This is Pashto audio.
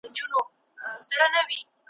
یوه بل ته د قومي او ژبني تعصب پېغورونه ورکول `